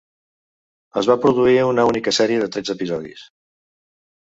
Es va produir una única sèrie de tretze episodis.